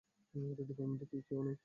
আমাদের ডিপার্টমেন্টে কি কেউ নেই?